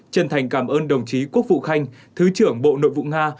chân thành cảm ơn đồng chí quốc vụ khanh thứ trưởng bộ nội vụ nga